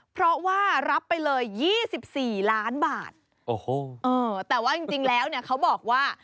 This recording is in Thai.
เพราะว่ารับไปเลย๒๔ล้านบาทเอ้อแต่ว่าจริงแล้วเนี่ยเขาบอกว่า